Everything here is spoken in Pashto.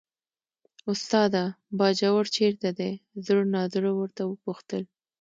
استاده! باجوړ چېرته دی، زړه نازړه ورته وپوښتل.